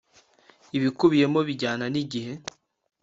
ibiyikubiyemo bijyana n igihe